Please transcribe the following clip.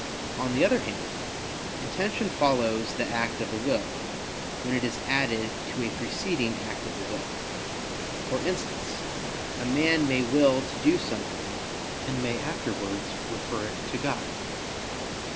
On the other hand, intention follows the act of the will, when it is added to a preceding act of the will; for instance, a man may will to do something, and may afterwards refer it to God.